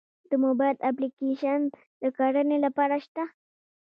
د موبایل اپلیکیشن د کرنې لپاره شته؟